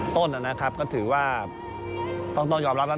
ต้นนะครับก็ถือว่าต้องต้องยอมรับ